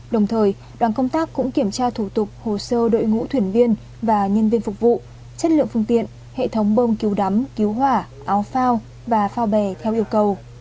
đồng thời đoàn công tác cũng kiểm tra thủ tục hồ sơ đội ngũ thuyền viên và nhân viên phục vụ chất lượng phương tiện hệ thống bơm cứu đắm cứu hỏa áo phao và phao bè theo yêu cầu